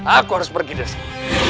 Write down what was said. aku harus pergi dari sini